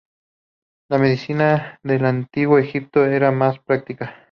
La medicina del antiguo Egipto era más práctica.